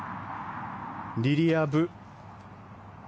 リリア・ブ。